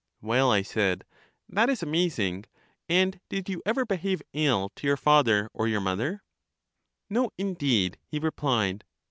Well, I said, that is amazing. And did you ever behave ill to your father or your mother? No, indeed, he replied.